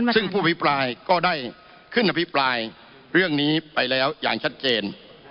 ซึ่งผู้อภิปรายก็ได้ขึ้นอภิปรายเรื่องนี้ไปแล้วอย่างชัดเจน